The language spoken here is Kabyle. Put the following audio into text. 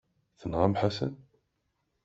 Tenɣam Ḥasan?